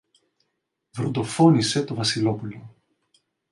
βροντοφώνησε το Βασιλόπουλο.